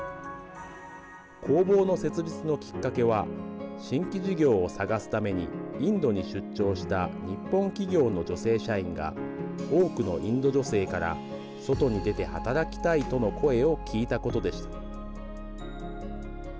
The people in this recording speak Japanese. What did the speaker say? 工房の設立のきっかけは新規事業を探すためにインドに出張した日本企業の女性社員が多くのインド女性から外に出て働きたいとの声を聞いたことでした。